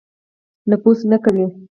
نفوذ نه کوي.